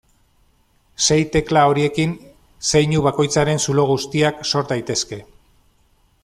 Sei tekla horiekin zeinu bakoitzaren zulo guztiak sor daitezke.